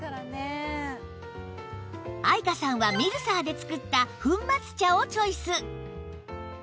愛華さんはミルサーで作った粉末茶をチョイス